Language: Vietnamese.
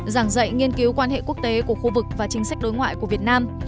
giảng dạy nghiên cứu quan hệ quốc tế của khu vực và chính sách đối ngoại của việt nam